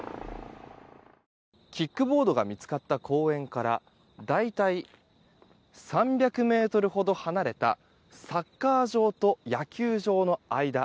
キックボードが見つかった公園から大体３００ｍほど離れたサッカー場と野球場の間。